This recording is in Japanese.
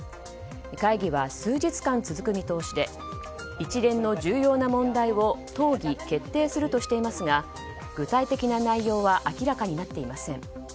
会議は数日間続く見通しで一連の重要な問題を討議、決定するとしていますが具体的な内容は明らかになっていません。